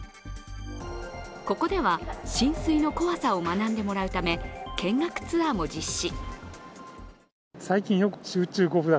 ここでは、浸水の怖さを学んでもらうため、見学ツアーも実施。